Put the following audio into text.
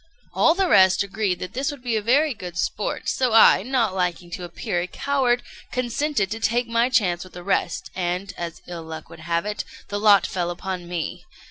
All the rest agreed that this would be very good sport; so I, not liking to appear a coward, consented to take my chance with the rest; and, as ill luck would have it, the lot fell upon me.